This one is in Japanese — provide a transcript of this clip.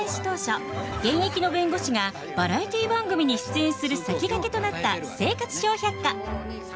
当初現役の弁護士がバラエティー番組に出演する先駆けとなった「生活笑百科」。